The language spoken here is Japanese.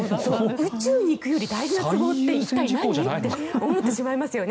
宇宙に行くより大事な都合って一体、何？って思ってしまいますよね。